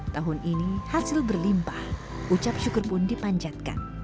tahun ini hasil berlimpah ucap syukur pun dipanjatkan